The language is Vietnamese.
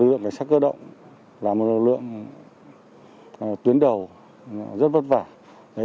lực lượng cảnh sát cơ động là một lực lượng tuyến đầu rất vất vả